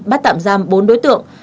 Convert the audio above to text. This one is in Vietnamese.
bắt tạm giam bốn đối tượng